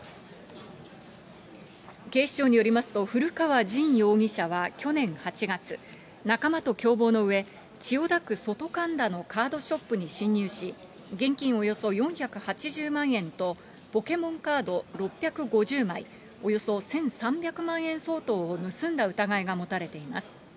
警視庁によりますと、古川刃容疑者は去年８月、仲間と共謀のうえ、千代田区外神田のカードショップに侵入し、現金およそ４８０万円と、ポケモンカード６５０枚、およそ１３００万円相当を盗んだ疑いが持たれています。